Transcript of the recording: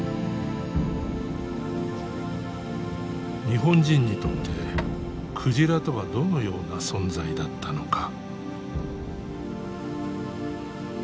日本人にとって鯨とはどのような存在だったのか。